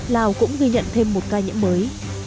lào cũng ghi nhận thêm một ca nhiễm mới